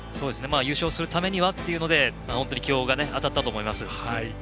優勝するためにはというので起用が当たったと思います。